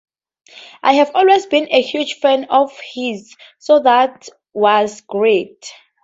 I have always been a huge fan of his, so that was great.